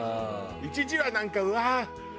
一時はなんかうわー！